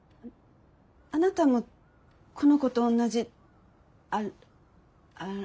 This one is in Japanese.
あなたもこの子と同じアア。